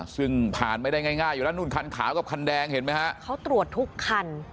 ซึ่งผ่านไม่ได้ง่ายอยู่ด้านหนูนคันขาวกับคันแดงเห็นมือยังมาทุกคัน